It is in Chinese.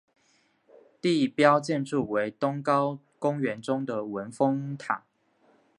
地标建筑为东皋公园中的文峰塔。